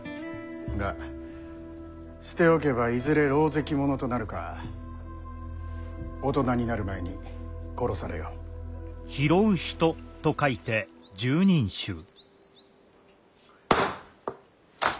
が捨て置けばいずれろうぜき者となるか大人になる前に殺されよう。これ礼くらい言わぬか。